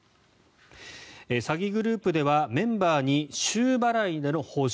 詐欺グループではメンバーに週払いでの報酬